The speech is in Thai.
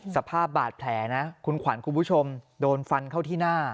สภาพบาดแผลนะคุณขวัญคุณผู้ชมโดนฟันเข้าที่หน้า